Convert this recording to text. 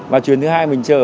và chuyến thứ hai mình trở